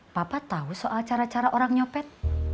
papa tahu soal cara cara orang nyopet